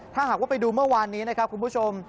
ถ้าหากว่าไปดูเมื่อวานนี้นะครับคุณผู้ชม